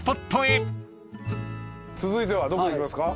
続いてはどこ行きますか？